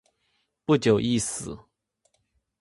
不久亦死。